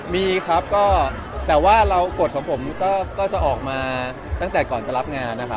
มีครับแต่ว่ากฏของผมก็จะออกมาตั้งแต่ก่อนจะรับงาน